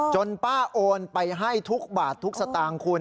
ป้าโอนไปให้ทุกบาททุกสตางค์คุณ